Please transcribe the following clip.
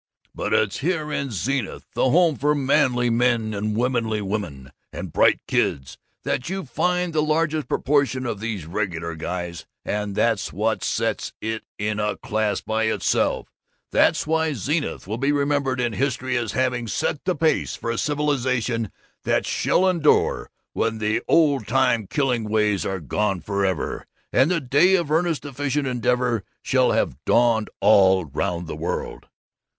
"'But it's here in Zenith, the home for manly men and womanly women and bright kids, that you find the largest proportion of these Regular Guys, and that's what sets it in a class by itself; that's why Zenith will be remembered in history as having set the pace for a civilization that shall endure when the old time killing ways are gone forever and the day of earnest efficient endeavor shall have dawned all round the world!